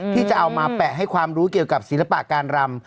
ที่จะเอามาแปะให้ความรู้เกี่ยวกับศิลปะการรำ